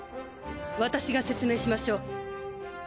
私が説明しましょう。